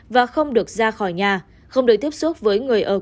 và không được ra khỏi nhà không được tiếp xúc với người ở